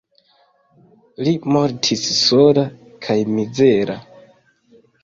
Li mortis sola kaj mizera.